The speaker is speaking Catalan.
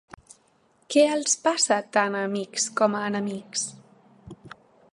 Què els passà tant a amics com a enemics?